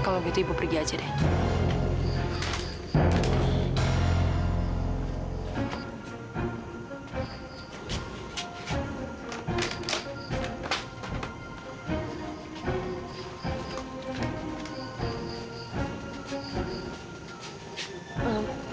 kalau gitu ibu pergi aja deh